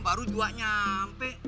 baru juga nyampe